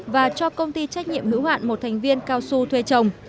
và cho công ty trách nhiệm hữu hạn một thành viên cao su thuê chồng